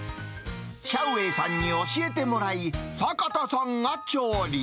シャウ・ウェイさんに教えてもらい、坂田さんが調理。